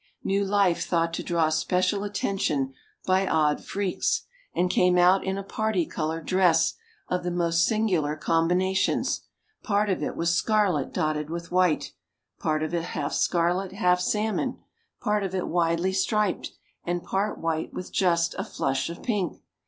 New Life thought to draw special attention by odd freaks, and came out in a parti colored dress of the most singular combinations; part of it was scarlet dotted with white part of it half scarlet, half salmon, part of it widely striped, and part white with just a flush of pink!